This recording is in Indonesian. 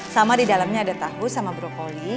sama di dalamnya ada tahu sama brokoli